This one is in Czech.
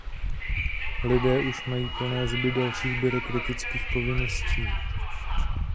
Lidé už mají plné zuby dalších byrokratických povinností.